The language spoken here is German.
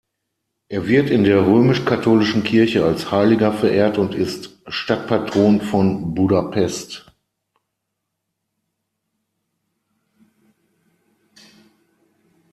Er wird in der römisch-katholischen Kirche als Heiliger verehrt und ist Stadtpatron von Budapest.